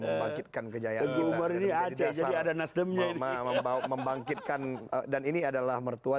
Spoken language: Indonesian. membangkitkan kejayaan berdiri aja ada nasdemnya membawa membangkitkan dan ini adalah mertua